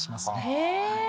へえ。